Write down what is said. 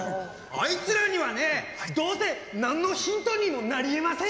あいつらにはねどうせ何のヒントにもなりえませんよ。